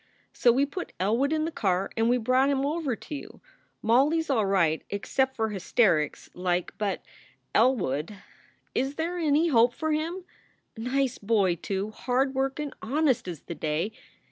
"So we put Elwood in the car and we brought him over to you. Molly s all right except for hysterics, like, but 24 SOULS FOR SALE Elwood Is they any hope for him? Nice boy, too hard workin , honest as the day.